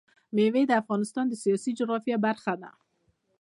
مېوې د افغانستان د سیاسي جغرافیه برخه ده.